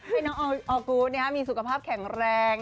ให้น้องออกูธมีสุขภาพแข็งแรง